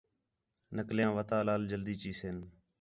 نقلیاں وَتا لال جلدی چِیسن